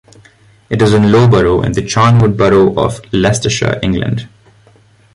It is in Loughborough, in the Charnwood borough of Leicestershire, England.